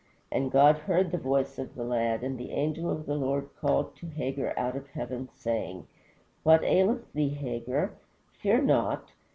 And God heard the voice of the lad, and the angel of the Lord called to Hagar out of heaven, saying, What aileth thee, Hagar? fear not.